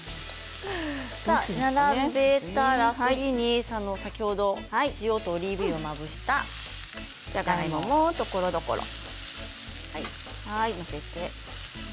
並べたら、先ほど塩とオリーブ油をまぶしたじゃがいもをところどころに。